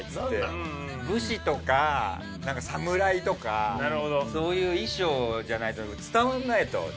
武士とか侍とかそういう衣装じゃないと伝わんないと。